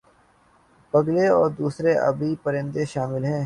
بگلے اور دوسرے آبی پرندے شامل ہیں